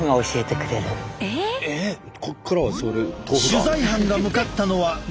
取材班が向かったのは長野県。